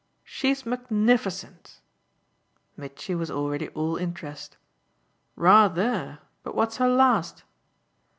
"She's magnificent!" Mitchy was already all interest. "Rather! But what's her last?"